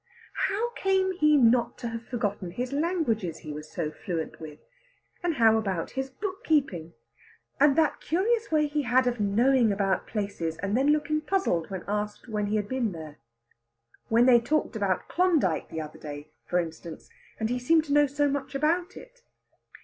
How came he not to have forgotten his languages he was so fluent with? And how about his book keeping? And that curious way he had of knowing about places, and then looking puzzled when asked when he had been there. When they talked about Klondyke the other day, for instance, and he seemed to know so much about it....